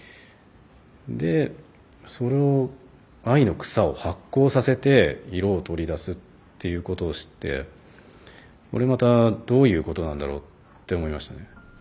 でそれを藍の草を発酵させて色を取り出すっていうことを知ってこれまたどういうことなんだろうって思いましたね。